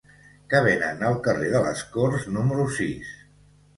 Què venen al carrer de les Corts número sis?